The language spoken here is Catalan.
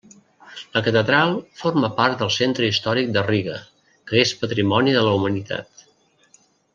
La catedral forma part del Centre Històric de Riga, que és Patrimoni de la Humanitat.